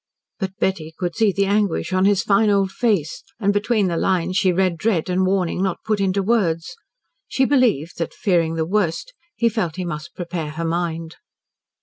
But Betty could see the anguish on his fine old face, and between the lines she read dread and warning not put into words. She believed that, fearing the worst, he felt he must prepare her mind.